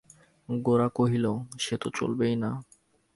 গোরা কহিল, সে তো চলবেই না।